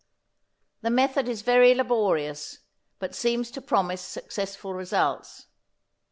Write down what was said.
The method is very laborious, but seems to promise successful results.